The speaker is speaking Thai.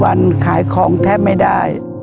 วันขายของแทบไม่ได้